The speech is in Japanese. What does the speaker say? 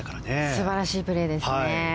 素晴らしいプレーですね。